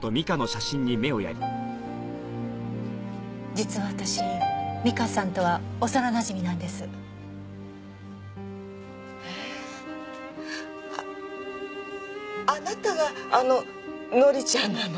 実は私美香さんとは幼なじみなんです。え？あなたがあの乃里ちゃんなの？